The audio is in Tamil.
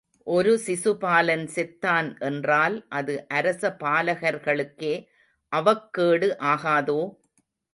ஒரு சிசுபாலன் செத்தான் என்றால் அது அரச பாலர்களுக்கே அவக்கேடு ஆகாதோ?